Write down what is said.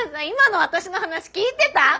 今の私の話聞いてた？